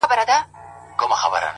د آتشي غرو د سکروټو د لاوا لوري _